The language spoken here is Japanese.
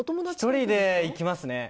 １人で行きます。